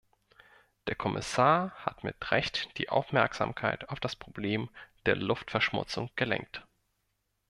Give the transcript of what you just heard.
Der Kommissar hat mit Recht die Aufmerksamkeit auf das Problem der Luftverschmutzung gelenkt.